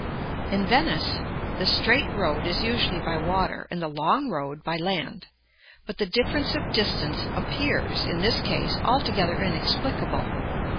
In Venice, the straight road is usually by water, and the long road by land; but the difference of distance appears, in this case, altogether inexplicable.